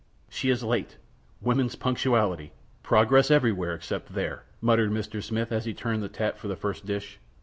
"She is late! Woman's punctuality! Progress everywhere except there!" muttered Mr. Smith as he turned the tap for the first dish.